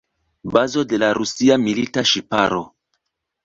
Bazo de la rusia milita ŝiparo.